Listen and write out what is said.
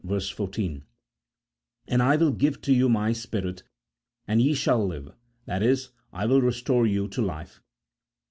14), " And I will give to you My Spirit, and ye shall live ;" i.e. I will restore you to life.